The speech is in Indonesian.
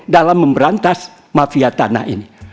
dalam memberantas mafia tanah ini